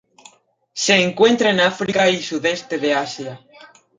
Se encuentra en África y sudeste de Asia.